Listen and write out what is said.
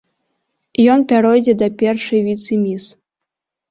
Ён пяройдзе да першай віцэ-міс.